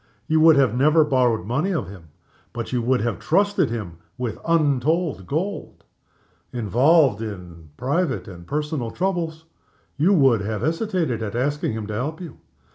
You would never have borrowed money of him but you would have trusted him with untold gold. Involved in private and personal troubles, you would have hesitated at asking him to help you.